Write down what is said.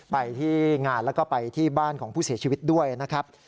ไปที่งานแล้วก็ไปที่บ้านของผู้เสียชีวิตด้วยนะครับ